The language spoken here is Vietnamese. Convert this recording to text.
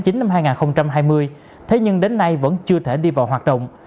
từ tháng chín năm hai nghìn hai mươi thế nhưng đến nay vẫn chưa thể đi vào hoạt động